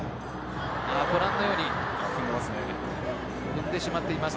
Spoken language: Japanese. ご覧のように踏んでしまっています。